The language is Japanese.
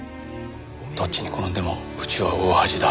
どっちに転んでもうちは大恥だ。